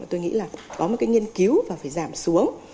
tôi nghĩ là có một cái nghiên cứu và phải giảm xuống